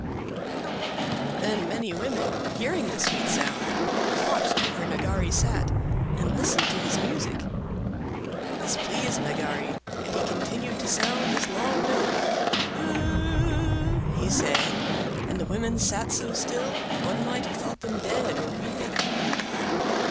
Then many women, hearing the sweet sound, flocked to where Nagari sat, and listened to his music. This pleased Nagari, and he continued to sound his long note. "U u u u u," he sang, and the women sat so still, one might have thought them dead or weeping.